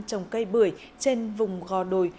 trồng cây bưởi trên vùng gò đồi